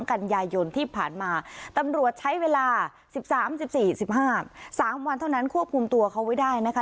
กันยายนที่ผ่านมาตำรวจใช้เวลาสิบสามสิบสี่สิบห้าบสามวันเท่านั้นควบคุมตัวเขาไว้ได้นะคะ